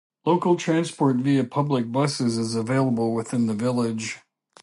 Local transport via public buses is available within the village.